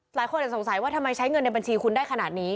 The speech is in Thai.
หลายคนสงสัยว่าทำไมใช้เงินในบัญชีคุณได้ขนาดนี้